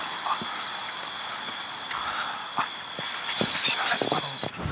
すいません